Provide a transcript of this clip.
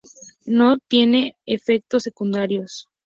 No tiene efectos secundarios.